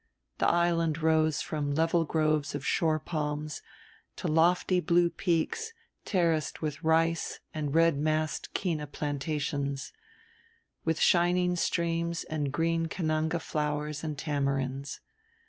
The island rose from level groves of shore palms to lofty blue peaks terraced with rice and red massed kina plantations, with shining streams and green kananga flowers and tamarinds.